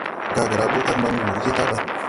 Gããgé raw boʼo kag man wuu ni je tabay.